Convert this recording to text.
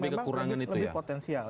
ada sumber lain yang memang lebih potensial